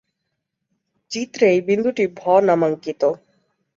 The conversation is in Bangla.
চিত্রে এই বিন্দুটি ভ নামাঙ্কিত।